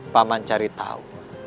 paman cari tahu